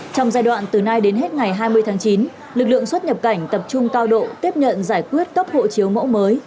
trong giai đoạn từ nay đến hết ngày hai mươi tháng chín lực lượng xuất nhập cảnh tập trung cao độ tiếp nhận giải quyết cấp hộ chiếu mẫu mới